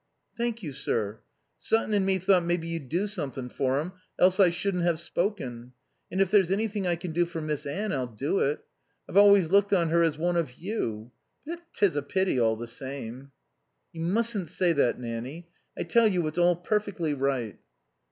"Thank you, sir. Sutton and me thought maybe you'd do something for him, else I shouldn't have spoken. And if there's anything I can do for Miss Anne I'll do it. I've always looked on her as one of you. But 'tis a pity, all the same." "You mustn't say that, Nanny. I tell you it's all perfectly right."